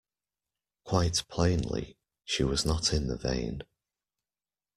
Quite plainly, she was not in the vein.